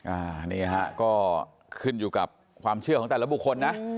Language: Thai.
อันนี้ฮะก็ขึ้นอยู่กับความเชื่อของแต่ละบุคคลนะ